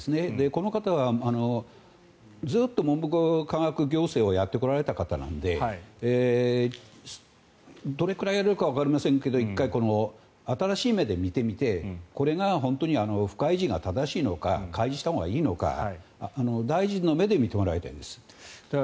この方はずっと文部科学行政をやってこられた方なのでどれくらいやるかはわかりませんが１回新しい目で見てみてこれが本当に不開示が正しいのか開示したほうがいいのか大臣の目で認められます。